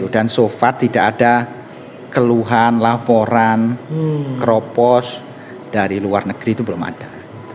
dan so far tidak ada keluhan laporan kropos dari luar negeri itu belum ada